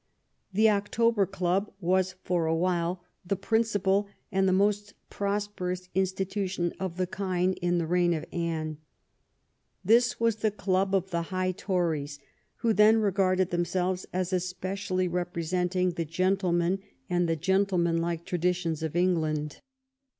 The October Club was, for a while, the principal and the most prosper ous institution of the kind in the reign of Anne. This was the club of the high Tories, who then regarded themselves as especially representing the gentlemen and the gentleman like traditions of England.